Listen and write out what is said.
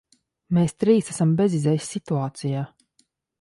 Mēs trīs esam bezizejas situācijā.